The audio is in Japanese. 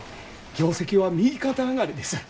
業績は右肩上がりです。